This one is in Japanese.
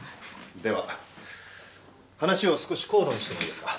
では話を少し高度にしてもいいですか？